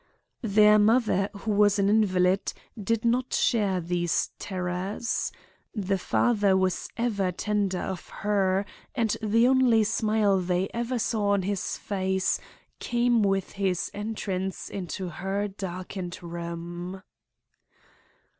"Their mother, who was an invalid, did not share these terrors. The father was ever tender of her, and the only smile they ever saw on his face came with his entrance into her darkened room.